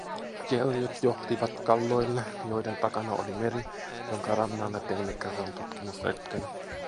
Jäljet johtivat kalloille, joiden takana oli meri, jonka rannalle teimme kerran tutkimusretken.